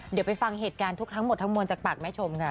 เดี๋ยวไปฟังเหตุการณ์ทุกทั้งหมดทั้งมวลจากปากแม่ชมค่ะ